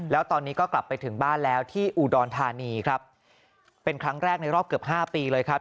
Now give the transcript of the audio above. แล้วตอนนี้ก็กลับไปถึงบ้านแล้วที่อุดรธานีครับเป็นครั้งแรกในรอบเกือบห้าปีเลยครับ